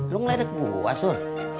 lu ngeledek buah sur